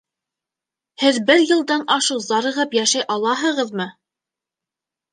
Һеҙ бер йылдан ашыу зарығып йәшәй алаһығыҙмы?